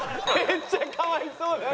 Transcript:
めっちゃかわいそうな。